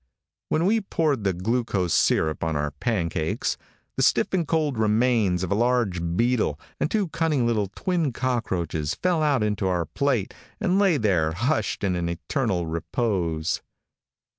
When we poured the glucose syrup on our pancakes, the stiff and cold remains of a large beetle and two cunning little twin cockroaches fell out into our plate, and lay there hushed in an eternal repose.